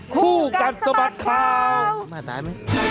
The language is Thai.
คู่กันสมัครข่าว